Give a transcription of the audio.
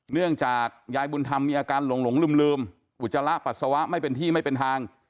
เนื่องจากยายบุญธรรมมีอาการหลงลืมอุจจาระปัสสาวะไม่เป็นที่ไม่เป็นทาง